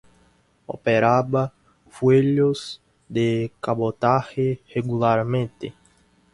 Operaba vuelos de cabotaje regularmente.